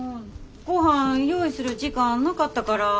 ごはん用意する時間なかったから。